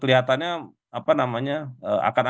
kelihatannya apa namanya akan